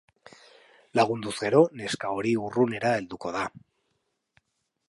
Lagunduz gero neska hori urrunera helduko da.